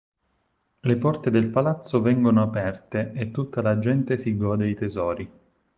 Le porte del palazzo vengono aperte e tutta la gente si gode i tesori.